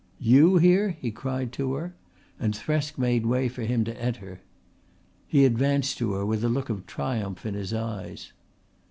"You here?" he cried to her, and Thresk made way for him to enter. He advanced to her with a look of triumph in his eyes.